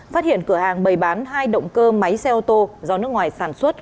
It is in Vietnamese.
phát hiện cửa hàng bày bán hai động cơ máy xe ô tô do nước ngoài sản xuất